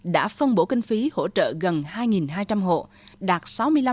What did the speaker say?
đã phân bổ kinh phí hỗ trợ gần hai hai trăm linh hộ đạt sáu mươi năm